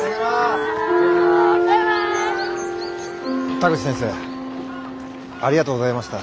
田口先生ありがとうございました。